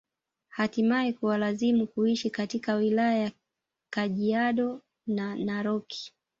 Hatimae kuwalazimu kuishi katika wilaya ya Kajiado na Narok